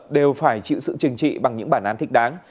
đều phải chịu sự trừng trị bằng những bản án thích đáng